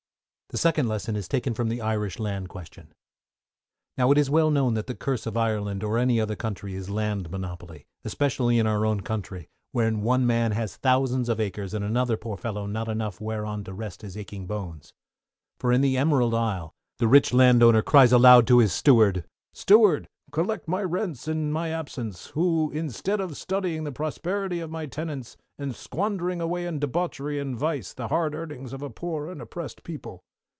The Second Lesson is taken from the Irish Land Question. Now it is well known that the curse of Ireland or any other country is "Land Monopoly," especially in our own country, where one man has thousands of acres, and another poor fellow not enough whereon to rest his aching bones. For in the Emerald Isle the rich Landowner cries aloud to his Steward, Steward! collect my rents in my absence, who, instead of studying the prosperity of my tenants am squandering away in debauchery and vice the hard earnings of a poor and oppressed people.